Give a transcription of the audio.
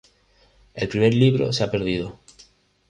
El primer libro se ha perdido.